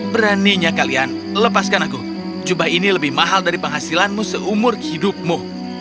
beraninya kalian lepaskan aku jubah ini lebih mahal dari penghasilanmu seumur hidupmu